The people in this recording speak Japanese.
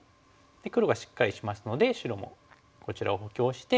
黒がしっかりしますので白もこちらを補強して。